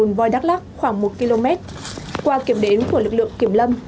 rừng nuôi voi đắk lắk khoảng một km qua kiểm đến của lực lượng kiểm lâm